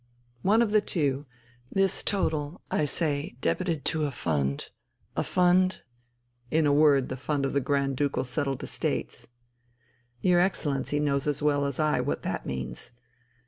"One of the two!... This total, I say, debited to a fund, a fund ..." "In a word, the fund of the Grand Ducal settled estates." "Your Excellency knows as well as I what that means.